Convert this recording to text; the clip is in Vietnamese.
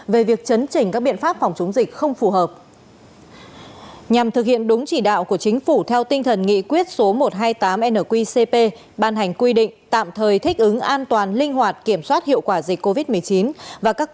về việc còn có bao nhiêu tình nguyện viên chưa nhận được